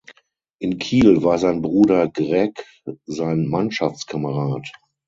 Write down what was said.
In Kiel war sein Bruder Greg sein Mannschaftskamerad.